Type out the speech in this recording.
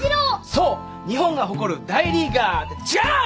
そう日本が誇る大リーガーって違う！